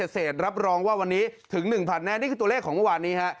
เศษรับรองว่าวันนี้ถึง๑๐๐แน่นี่คือตัวเลขของเมื่อวานนี้ฮะ